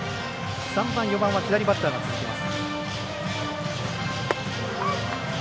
３番、４番は左バッターが続きます。